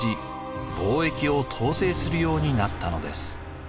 貿易を統制するようになったのです。